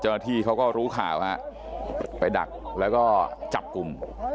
เจ้าหน้าที่เขาก็รู้ข่าวฮะไปดักแล้วก็จับกลุ่ม